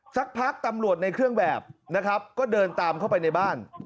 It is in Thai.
สักพักตำรวจในเครื่องแบบนะครับก็เดินตามเข้าไปในบ้าน